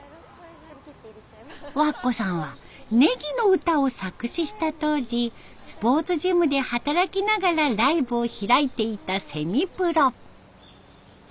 ｗａｋｋｏさんはネギの歌を作詞した当時スポーツジムで働きながらライブを開いていたセミプロ。